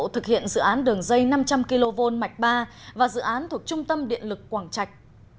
thực hiện dự án đường dây năm trăm linh kv mạch ba và dự án thuộc trung tâm điện lực quảng trạch